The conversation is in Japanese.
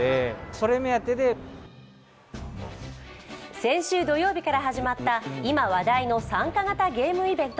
先週土曜日から始まった今話題の参加型ゲームイベント